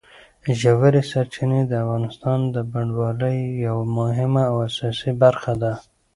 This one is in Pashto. ژورې سرچینې د افغانستان د بڼوالۍ یوه مهمه او اساسي برخه ده.